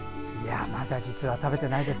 まだ実は食べていないです。